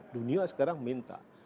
dunia sekarang minta